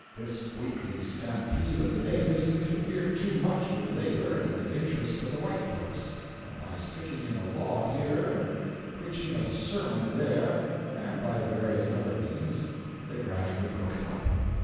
This weekly stampede of the natives interfered too much with labor and the interests of the white folks, and by sticking in a law here, and preaching a sermon there, and by various other means, they gradually broke it up.